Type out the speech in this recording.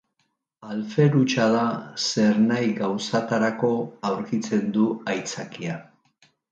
Alfer hutsa da, zernahi gauzatarako aurkitzen du aitzakia.